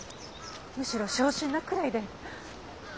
むしろ小心なくらいで。